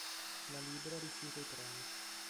La Libra rifiuta i premi.